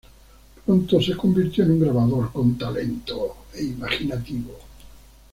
Pronto se convirtió en un grabador con talento e imaginativo.